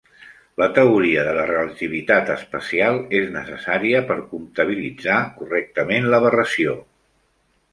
La teoria de la relativitat especial és necessària per comptabilitzar correctament l'aberració.